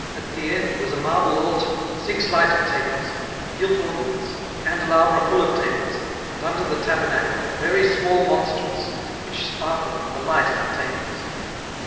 At the end was a marble a Itar, six lighted tapers, and gilt ornaments, can delabra full of tapers, and under the tabernacle, a very small monstrance, which sparkled in the light of the tapers.